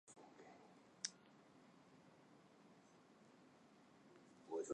越南人将其故事与中国的纪信救汉高祖的事迹相提并论。